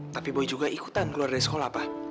tapi boy juga ikutan keluar dari sekolah pak